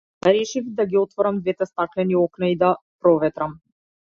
Решив да ги отворам двете стаклени окна и да проветрам.